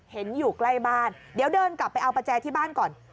เห็นอยู่ใกล้บ้านเดี๋ยวเดินกลับไปเอาประแจที่บ้านก่อน